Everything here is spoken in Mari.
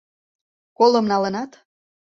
Колым налынат?